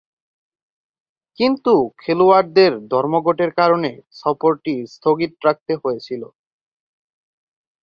কিন্তু খেলোয়াড়দের ধর্মঘটের কারণে সফরটি স্থগিত রাখতে হয়েছিল।